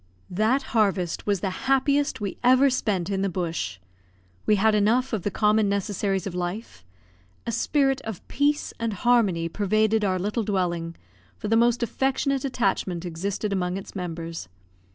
That harvest was the happiest we ever spent in the bush. We had enough of the common necessaries of life. A spirit of peace and harmony pervaded our little dwelling, for the most affectionate attachment existed among its members.